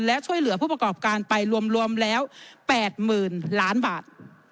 และช่วยเหลือผู้ประกอบการไปรวมแล้ว๘๐๐๐ล้านบาท